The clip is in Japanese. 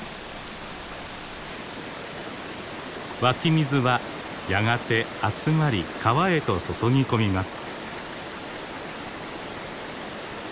湧き水はやがて集まり川へと注ぎ込みます。